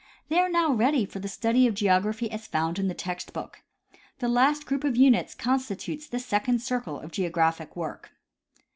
They are now ready for the study of geography as found in the text book. The last group of units constitutes the second circle of geographic work.